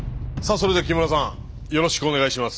それでは木村さんよろしくお願いします。